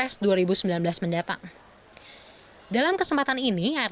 tidak ada faksi faksi di partai golkar